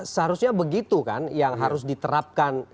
seharusnya begitu kan yang harus diterapkan